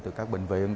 từ các bệnh viện